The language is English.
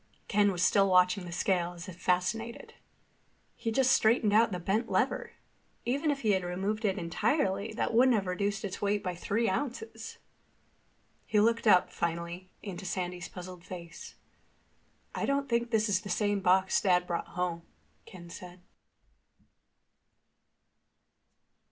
Ken was still watching the scale as if fascinated. "He just straightened the bent lever. Even if he had removed it entirely that wouldn't have reduced the weight by three ounces." He looked up, finally, into Sandy's puzzled face. "I don't think this is the same box Dad brought home," Ken said.